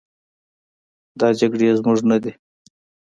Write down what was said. دا جګړې زموږ نه دي.